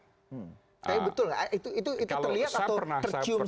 tapi betul nggak itu terlihat atau tercium saja baunya seperti ibu dayu mencium ibu bapu